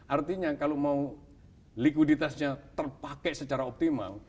artinya kalau mau likuiditasnya terpakai secara optimal